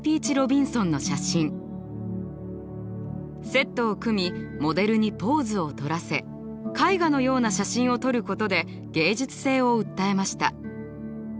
セットを組みモデルにポーズをとらせ絵画のような写真を撮ることで芸術性を訴えました。